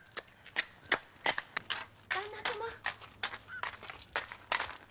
旦那様。